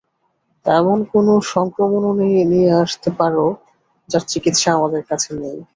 এমন কোনো সংক্রমণও নিয়ে আসতে পারো যার চিকিৎসা আমাদের কাছে নেই।